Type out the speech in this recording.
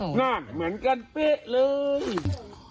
นั่นเหมือนกันปี้เลย